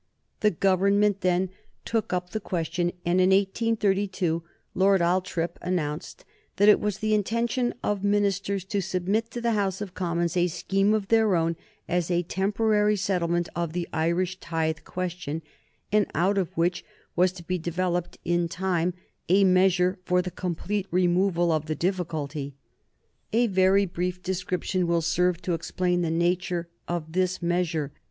The Government then took up the question, and in 1832 Lord Althorp announced that it was the intention of ministers to submit to the House of Commons a scheme of their own as a temporary settlement of the Irish tithe question, and out of which was to be developed, in time, a measure for the complete removal of the difficulty. A very brief description will serve to explain the nature of this measure.